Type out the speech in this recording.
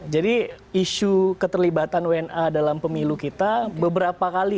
jadi isu keterlibatan wna dalam pemilu kita beberapa kali